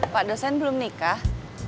pak dosen belum nikah